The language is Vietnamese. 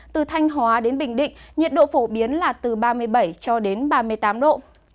từ thanh hóa đến bình định nhiệt độ phổ biến là từ ba mươi bảy cho đến ba mươi tám độ